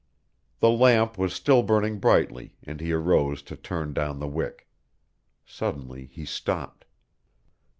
The lamp was still burning brightly and he arose to turn down the wick. Suddenly he stopped.